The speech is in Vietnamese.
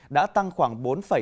đã tăng khoảng bốn hai mươi năm